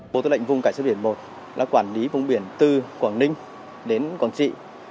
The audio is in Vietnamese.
bộ tư lệnh vùng cảnh sát biển một là quản lý vùng biển từ quảng ninh đến quảng trị